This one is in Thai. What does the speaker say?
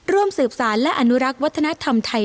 ร่วมสืบสารและอนุรักษ์วัฒนธรรมไทย